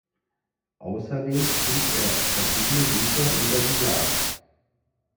Außerdem schrieb er verschiedene Bücher über die Jagd.